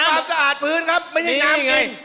ความสะอาดพื้นครับไม่ใช่น้ำเงิน